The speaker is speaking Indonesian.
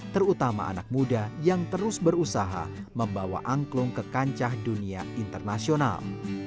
terutama anak muda yang terus berusaha membawa angklung ke kancah dunia internasional